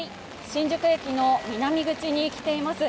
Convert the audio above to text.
新宿駅の南口に来ています。